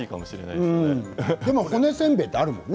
でも、骨せんべいってあるよね